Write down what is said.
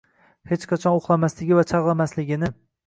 hech qachon uxlamasligi va chalg‘imasligini